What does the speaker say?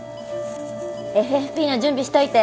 ＦＦＰの準備しといて！